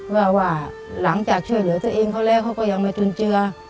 เพราะว่าหลังจากช่วยเหลือตัวเองเขาแรกก็ยังมาจนเจอ